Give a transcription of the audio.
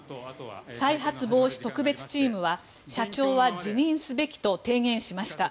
再発防止特別チームは社長は辞任すべきと提言しました。